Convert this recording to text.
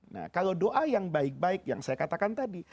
nah kalau doa yang baik baik yang saya katakan tadi